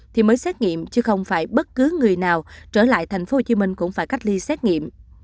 thì mới xét nghiệm chứ không phải bất cứ người nào trở lại thành phố hồ chí minh cũng phải cách ly xét nghiệm